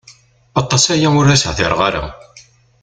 Aṭas aya ur as-hdireɣ ara.